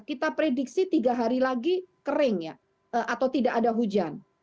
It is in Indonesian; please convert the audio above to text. kita prediksi tiga hari lagi kering ya atau tidak ada hujan